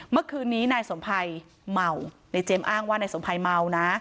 เมื่อคืนนี้นายสมภัยเมาในเจมส์อ้างว่านายสมภัยเมานะ